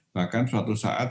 bahkan suatu saat